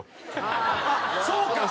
そうか！